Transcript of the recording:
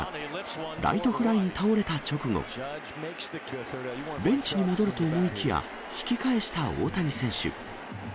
ライトフライに倒れた直後、ベンチに戻ると思いきや、引き返した大谷選手。